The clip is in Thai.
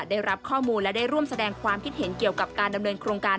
ได้รับข้อมูลและได้ร่วมแสดงความคิดเห็นเกี่ยวกับการดำเนินโครงการ